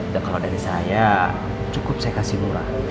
dan kalau dari saya cukup saya kasih murah